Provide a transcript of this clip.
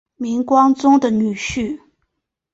明光宗的女婿。